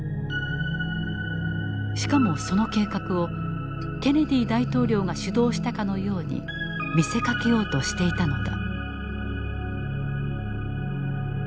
しかもその計画をケネディ大統領が主導したかのように見せかけようとしていたのだ。